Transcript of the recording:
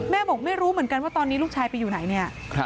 บอกไม่รู้เหมือนกันว่าตอนนี้ลูกชายไปอยู่ไหนเนี่ย